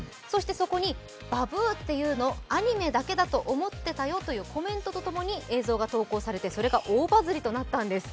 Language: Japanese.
そこに、ばぶぅっていうのアニメだけだと思ってたよというコメントと共に映像が投稿されて、それが大バズりとなったんです。